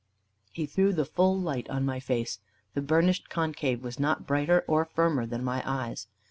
He threw the full light on my face. The burnished concave was not brighter or firmer than my eyes.